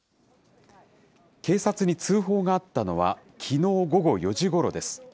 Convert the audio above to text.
警察に通報があったのは、きのう午後４時ごろです。